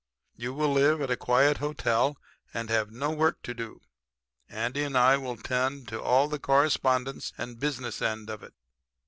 You will live at a quiet hotel and will have no work to do. Andy and I will attend to all the correspondence and business end of it.